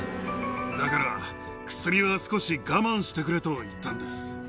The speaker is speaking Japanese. だから、薬は少し我慢してくれと言ったんです。